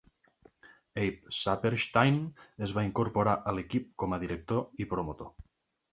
Abe Saperstein es va incorporar a l'equip com a director i promotor.